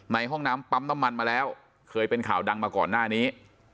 ในห้องน้ำปั๊มน้ำมันมาแล้วเคยเป็นข่าวดังมาก่อนหน้านี้